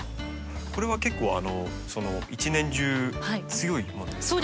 これは結構一年中強いものですか？